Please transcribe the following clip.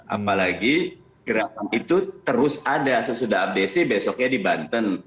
apalagi gerakan itu terus ada sesudah abdesi besoknya di banten